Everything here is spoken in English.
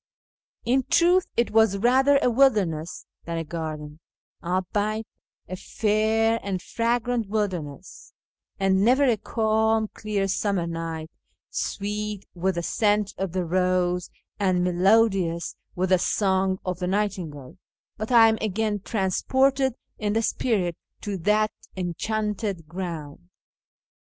In truth it was rather a wilderness than a garden — albeit a fair and fragrant wilder ness ; and never a calm, clear summer night, sweet with the scent of the rose and melodious with the song of the night ingale, but I am again transported in the spirit to that enchanted ground.